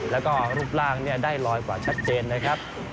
แล้วก็รูปร่างได้ลอยกว่าชัดเจนนะครับ